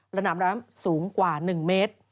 ระดับน้ำสูงกว่า๑เมตร